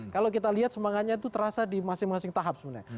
kalau kita lihat semangatnya itu terasa di masing masing tahap sebenarnya